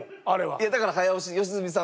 いやだから早押し良純さん